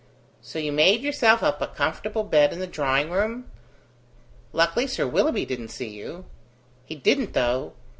"So you made yourself up a comfortable bed in the drawing room? Luckily Sir Willoughby didn't see you." "He didn't, though!"